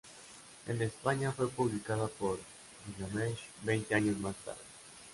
En España fue publicada por Gigamesh veinte años más tarde.